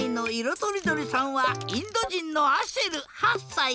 とりどりさんはインドじんのアシェル８さい。